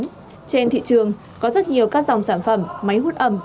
trên thị trường có rất nhiều các dòng sản phẩm máy hút ẩm